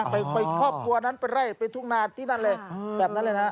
ไปครอบครัวนั้นไปไล่ไปทุ่งนาที่นั่นเลยแบบนั้นเลยนะ